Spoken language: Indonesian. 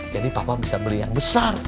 jadi papa bisa beli yang besar